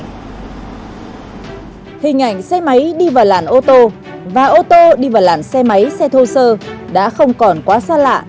hình ảnh xe máy đi vào làn ô tô và ô tô đi vào làn xe máy xe thô sơ đã không còn quá xa lạ